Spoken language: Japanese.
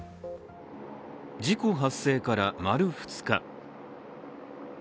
事故発生から丸２日。